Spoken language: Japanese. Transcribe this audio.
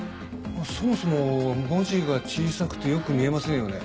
そもそも文字が小さくてよく見えませんよね。